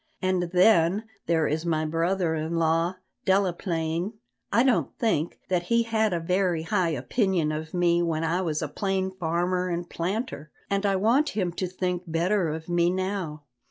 And then, there is my brother in law, Delaplaine. I don't believe that he had a very high opinion of me when I was a plain farmer and planter, and I want him to think better of me now.